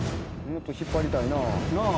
もっと引っ張りたいな。